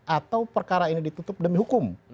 atau perkara ini ditutup demi hukum